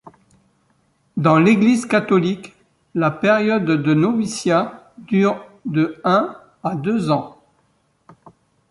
Dans l’Église Catholique, la période de noviciat dure de un à deux ans.